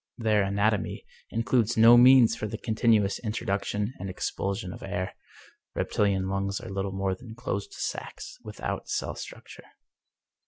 Their anatomy includes no means for the continuous introduction and expulsion of air ; reptihan lungs are little more than closed sacs, without cell structure.